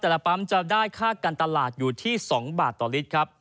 แต่ละปั๊มจะได้ค่าการตลาดอยู่ที่๒บาทต่อลิตรครับ